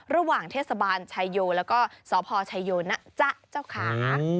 ระหว่างเทศบาลชายโยแล้วก็สพชัยโยนะจ๊ะเจ้าขา